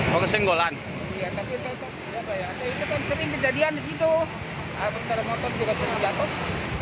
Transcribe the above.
lalu lintas di jalur yang bersamaan